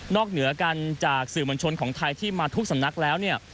เหนือกันจากสื่อมวลชนของไทยที่มาทุกสำนักแล้วเนี่ย